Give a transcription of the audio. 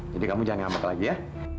jadi kamu jangan ngambek lagi ya